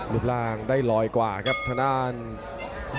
รบร่างได้๑๐๐กว่าครับถนนทางยอด๗